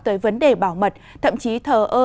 tới vấn đề bảo mật thậm chí thờ ơ